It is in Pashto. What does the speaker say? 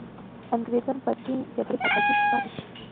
انګریزان په دې جګړه کې عاجز پاتې دي.